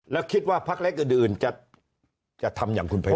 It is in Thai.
แล้วคิดว่าพักเล็กอื่นจะทำอย่างคุณภัย